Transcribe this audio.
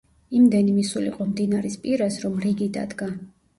იმდენი მისულიყო მდინარის პირას, რომ რიგი დადგა.